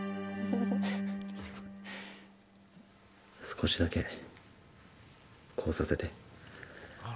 少しだけこうさせて。